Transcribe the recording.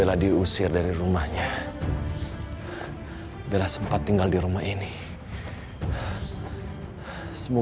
hai kita harus kembali ke rumah kita